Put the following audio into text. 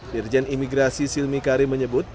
dirjen imigrasi silmi karim menyebut